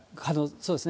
そうですね。